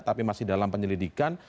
tapi masih dalam penyelidikan